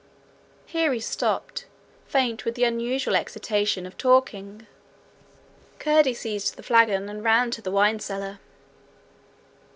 Here he stopped, faint with the unusual exertion of talking. Curdie seized the flagon, and ran to the wine cellar.